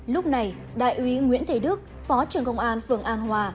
lúc này đại úy nguyễn thế đức phó trưởng công an phường an hòa